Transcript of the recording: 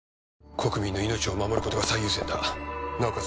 国民の命を守ることが最優先だなおかつ